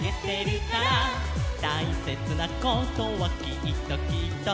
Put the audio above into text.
「たいせつなことはきっときっと」